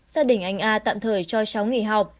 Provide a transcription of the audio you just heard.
gia đình anh a tạm thời cho cháu nghỉ học